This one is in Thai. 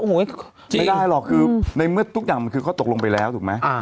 ไม่ได้หรอกคือในเมื่อทุกอย่างมันคือข้อตกลงไปแล้วถูกไหม